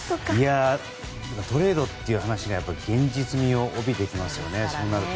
トレードという話が現実味を帯びてきますよね。